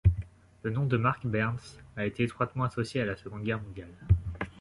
Le nom de Mark Bernes a été étroitement associé à la Seconde guerre mondiale.